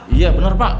iya bener pak